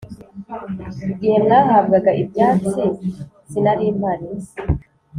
igihe mwahabwaga ibyatsi sinarimpari.